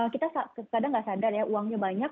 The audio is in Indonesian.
kita kadang nggak sadar ya uangnya banyak